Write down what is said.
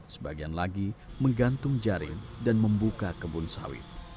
sebagian lagi menggantung jaring dan membuka kebun sawit